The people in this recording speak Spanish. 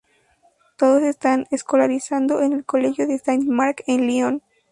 Todos están escolarizados en el colegio de Saint-Marc, en Lyon.